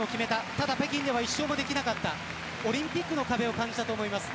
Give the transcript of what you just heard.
ただ北京では一勝もできなかったオリンピックの壁を感じたと思います。